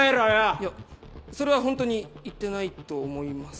いやそれはホントに言ってないと思います。